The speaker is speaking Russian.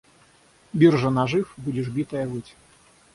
Биржа нажив, будешь битая выть.